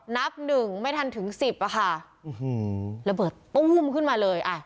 นับหนึ่งไม่ทันถึงสิบอ่ะค่ะระเบิดตู้มขึ้นมาเลยอ่ะ